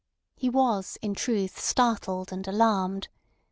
He was, in truth, startled and alarmed.